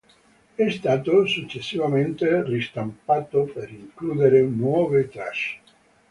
È stato successivamente ristampato per includere nuove tracce.